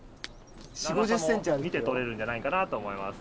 長さも見て取れるんじゃないかなと思います。